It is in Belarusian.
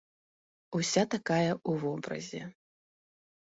Уся такая ў вобразе.